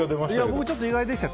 僕、ちょっと意外でした。